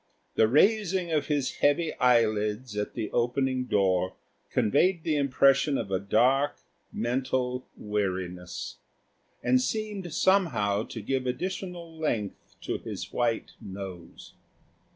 The raising of his heavy eyelids at the opening door conveyed the impression of a dark, mental weariness; and seemed somehow to give additional length to his white nose.